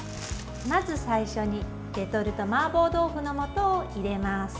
まず最初にレトルトマーボー豆腐の素を入れます。